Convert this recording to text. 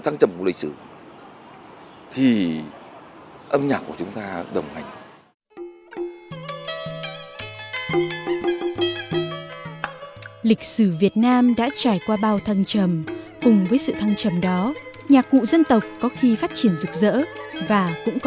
những cái trang trầm của lịch sử